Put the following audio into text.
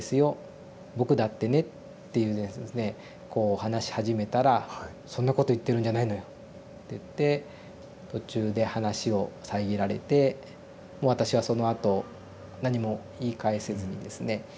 僕だってね」ってこう話し始めたら「そんなこと言ってるんじゃないのよ」っていって途中で話を遮られて私はそのあと何も言い返せずにですね